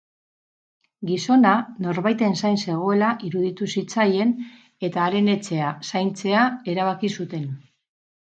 Gizona norbaiten zain zegoela iruditu zitzaien, eta haren etxea zaintzea erabaki zuten.